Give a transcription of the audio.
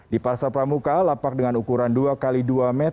di pasar pramuka lapak dengan ukuran dua x dua meter